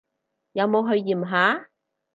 有冇去驗下？